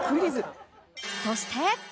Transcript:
そして